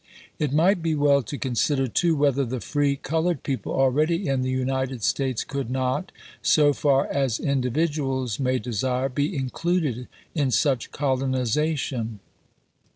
It might be well to consider, too, whether the free colored people already in the United States could not, so far as indi viduals may desire, be included in such colonization.